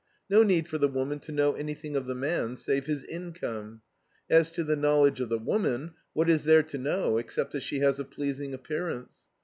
No need for the woman to know anything of the man, save his income. As to the knowledge of the woman what is there to know except that she has a pleasing appearance?